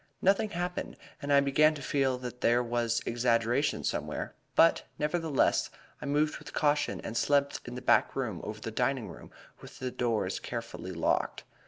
Nothing happened, and I began to feel that there was exaggeration somewhere; but, nevertheless, I moved with caution and slept in the back room over the dining room with the doors carefully locked.